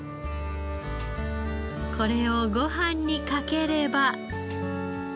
これをご飯にかければ。